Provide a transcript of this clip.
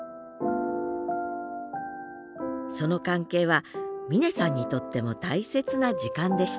その関係は峰さんにとっても大切な時間でした